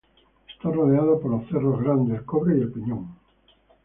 Está rodeada por los cerros Grande, El Cobre y El Peñón.